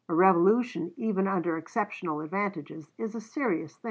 A revolution even under exceptional advantages is a serious thing.